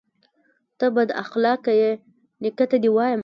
_ته بد اخلاقه يې، نيکه ته دې وايم.